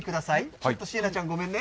ちょっとしえなちゃん、ごめんね。